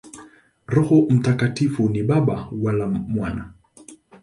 Roho Mtakatifu si Baba wala Mwana.